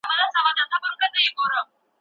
ولي کوښښ کوونکی د مستحق سړي په پرتله ډېر مخکي ځي؟